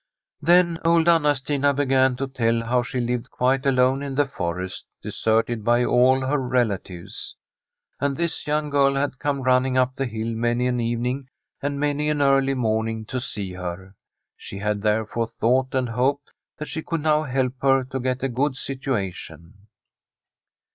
Then old Anna Stina began to tell how she lived quite alone in the forest, deserted by all her rela tives. And this young girl had come running up the hill many an evening and many an early morning to see her. She had therefore thought and hoped that she could now help her to get a good situation.